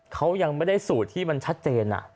เขายังไม่ได้สูตรที่มันชัดเจน